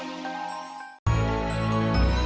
udah jatuh di bantang